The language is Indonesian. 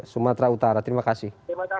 sumatera utara terima kasih